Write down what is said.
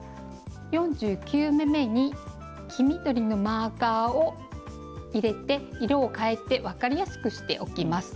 ４９目めに黄緑のマーカーを入れて色を変えて分かりやすくしておきます。